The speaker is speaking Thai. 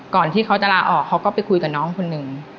ก่อนที่เขาจะลาออกเขาก็ไปคุยกับน้องคนหนึ่ง